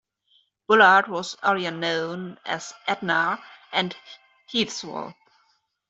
Bullard was earlier known as "Etna" and "Hewsville".